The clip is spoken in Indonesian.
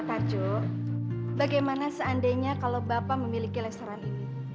pak tarjo bagaimana seandainya kalau bapak memiliki leseran ini